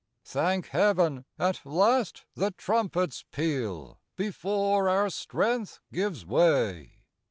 Thank Heaven ! At last the trumpets peal Before our strength gives way.